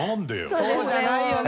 そうじゃないよね？